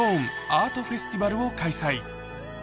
アートフェスティバルを開催。